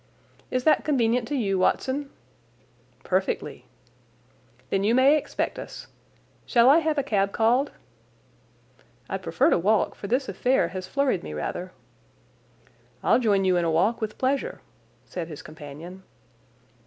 "Is that convenient to you, Watson?" "Perfectly." "Then you may expect us. Shall I have a cab called?" "I'd prefer to walk, for this affair has flurried me rather." "I'll join you in a walk, with pleasure," said his companion.